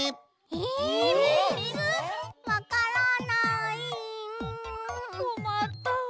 わからないうん。こまったわ。